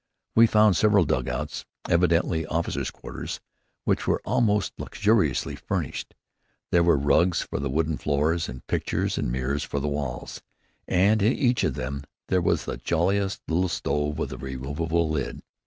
We found several dugouts, evidently officers' quarters, which were almost luxuriously furnished. There were rugs for the wooden floors and pictures and mirrors for the walls; and in each of them there was the jolliest little stove with a removable lid.